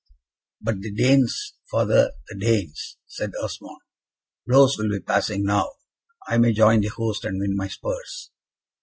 "But the Danes, father, the Danes!" said Osmond. "Blows will be passing now. I may join the host and win my spurs?"